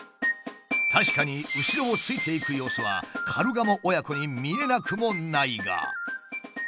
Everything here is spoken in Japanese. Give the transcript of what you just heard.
確かに後ろをついていく様子はカルガモ親子に見えなくもないが。